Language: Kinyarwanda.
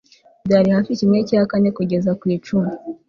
byari hafi kimwe cya kane kugeza ku icumi